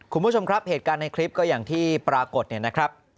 คุณผู้ชมครับเหตุการณ์ในคลิปก็อย่างที่ปรากฏเนี่ยนะครับ